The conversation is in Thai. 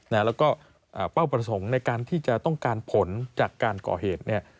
แล้วก็เป้าประสงค์ในการที่จะต้องการผลจากการก่อเหตุเนี่ย